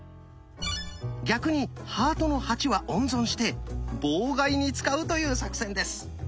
逆に「ハートの８」は温存して妨害に使うという作戦です。